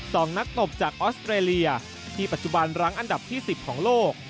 สองนักตบจากออสเตรเลียที่ปัจจุบันรั้งอันดับที่สิบของโลก